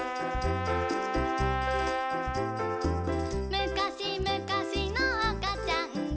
「むかしむかしのあかちゃんが」